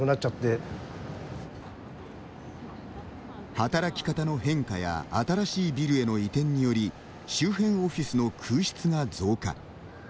働き方の変化や新しいビルへの移転により周辺オフィスの空室が増加。